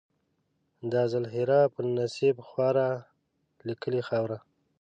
د ازل هېره په نصیب خواره لیکلې خاوره